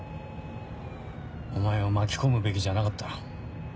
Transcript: お前を巻き込むべきじゃなかった。